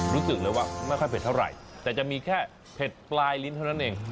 รู้สึกเลยว่าไม่ค่อยเผ็ดเท่าไหร่แต่จะมีแค่เผ็ดปลายลิ้นเท่านั้นเอง